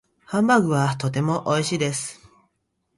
ハンバーグはとても美味しいです。